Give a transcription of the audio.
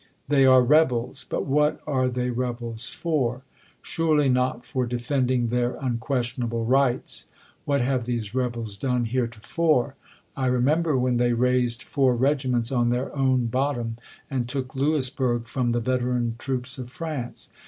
They are rebels ! but what are they rebels for ? Surely not for defending their unquestionable rights ! What have these r. bels done heretofore ? I remember when they raised four regiments on their own bottom, and took Louisbourg from the veteran troops of France.